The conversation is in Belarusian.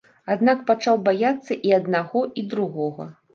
Аднак пачаў баяцца і аднаго, і другога.